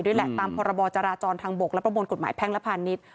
ด้วยแหละตามพรบจราจรทางบกและประมวลกฎหมายแพ่งและพาณิชย์